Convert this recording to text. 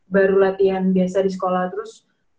baru latihan biasa di sekolah terus